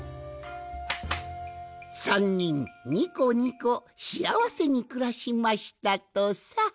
３にんにこにこしあわせにくらしましたとさ。